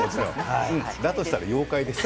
だとしたら妖怪です。